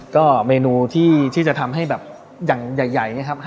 ก็เมนูที่จะทำให้แบบอย่างใหญ่เนี่ยครับ